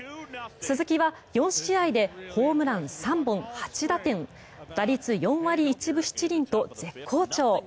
鈴木は４試合でホームラン３本、８打点打率４割１分７厘と絶好調。